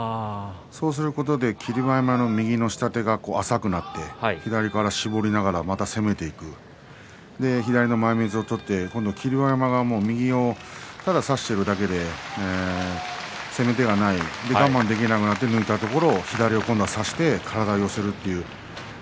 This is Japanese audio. そうすることで霧馬山の右の下手が浅くなって左から絞りながらまた攻めていく左の前みつを取って今度は霧馬山は右をただ差しているだけで攻め手がない、我慢できなくなって抜いたところ今度は左を差して体を寄せる。